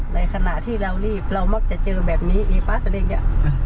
ในขณะที่เรารีบเรามักจะเจอแบบนี้ไอ้ป๊าสลิงเนี่ย